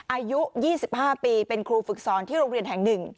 อายุ๒๕ปีเป็นครูฝึกสอนที่โรงเรียนแห่ง๑